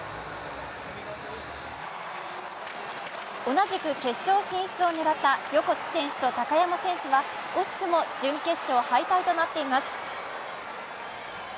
同じく決勝進出を狙った横地選手と高山選手は惜しくも準決勝敗退となっています。